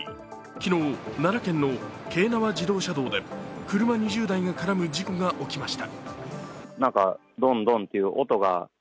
昨日、奈良県の京奈和自動車道で車２０台が絡む事故が起きました。